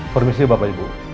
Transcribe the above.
permisi bapak ibu